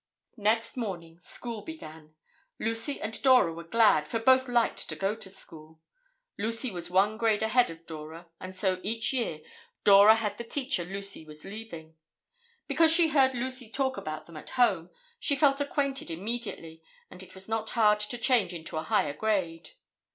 Next morning school began. Lucy and Dora were glad, for both liked to go to school. Lucy was one grade ahead of Dora and so each year, Dora had the teacher Lucy was leaving. Because she heard Lucy talk about them at home, she felt acquainted immediately, and it was not hard to change into a higher grade.